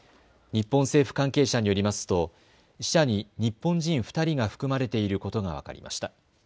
日本政府関係者によりますと死者に日本人２人が含まれていることが分かりました。